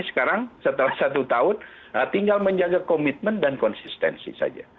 sekarang setelah satu tahun tinggal menjaga komitmen dan konsistensi saja